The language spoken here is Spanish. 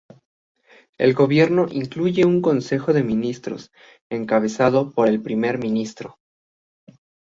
El Gobierno incluye un Consejo de Ministros, encabezado por el primer ministro.